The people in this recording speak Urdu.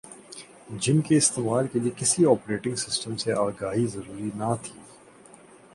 جن کے استعمال کے لئے کسی اوپریٹنگ سسٹم سے آگاہی ضروری نہ تھی